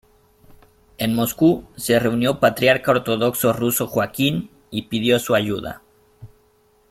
En Moscú se reunió patriarca ortodoxo ruso Joaquín y pidió su ayuda.